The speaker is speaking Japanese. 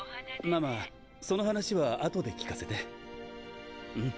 ママその話は後で聞かせてうん。